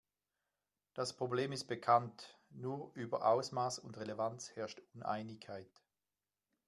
Das Problem ist bekannt, nur über Ausmaß und Relevanz herrscht Uneinigkeit.